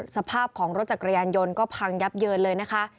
สภาพของรถจักรยานยนต์ก็พังยับเยินเลยนะคะ